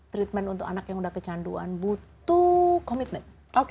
treatment untuk anak yang udah kecanduan butuh komitmen